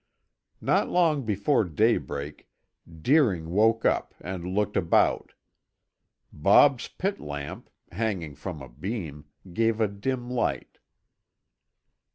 Not long before daybreak Deering woke up and looked about. Bob's pit lamp, hanging from a beam, gave a dim light.